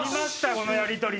このやりとり。